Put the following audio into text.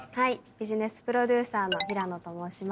ビジネスプロデューサーの平野と申します。